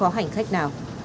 không có hành khách nào